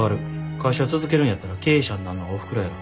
会社続けるんやったら経営者になんのはおふくろやろ。